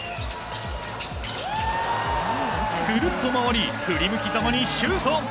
来るっと回り振り向きざまにシュート！